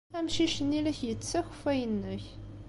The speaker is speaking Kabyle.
Amcic-nni la ak-yettess akeffay-nnek.